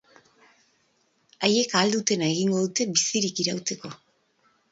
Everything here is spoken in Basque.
Haiek ahal dutena egingo dute bizirik irauteko.